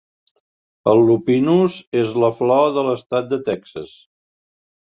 El lupinus és la flor de l'estat de Texas.